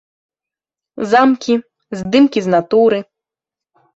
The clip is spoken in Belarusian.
Замкі, здымкі з натуры.